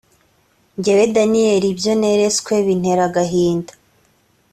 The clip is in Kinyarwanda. jyewe daniyeli ibyo neretswe bintera agahinda.